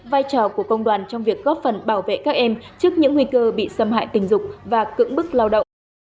vai trò của công đoàn trong việc góp phần bảo vệ các em trước những nguy cơ bị xâm hại tình dục và cưỡng bức lao động